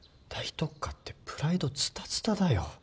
大特価ってプライドずたずただよ。